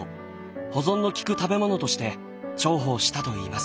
保存の利く食べ物として重宝したといいます。